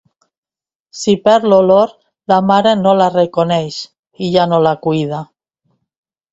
Si perd l'olor, la mare no la reconeix i ja no la cuida.